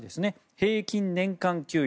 平均年間給与